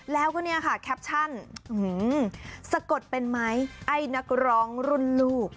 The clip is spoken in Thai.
แล้วก็เนี่ยค่ะแคปชั่นสะกดเป็นไหมไอ้นักร้องรุ่นลูก